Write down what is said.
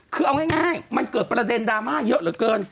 คือเอาง่ายมันเกิดประเด็นดราม่าเยอะเหลือเกิน